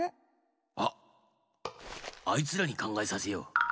あっあいつらにかんがえさせよう！